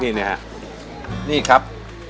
นี่นะครับนี่ครับ